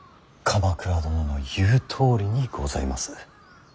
鎌倉殿の言うとおりにございます。